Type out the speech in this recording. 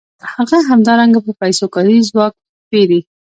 هغه همدارنګه په پیسو کاري ځواک پېري